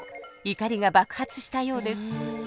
怒りが爆発したようです。